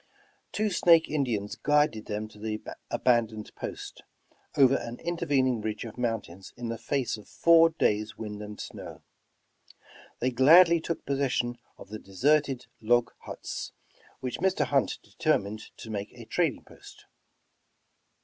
Two Snake Indians guided them to the abandoned post, over an intervening ridge of mountains in the face of four days' wind and snow. They gladly took possession of the deserted log huts, which Mr. Hunt determined to make a trading post.